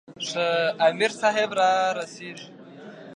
امیر صاحب را رسیږي.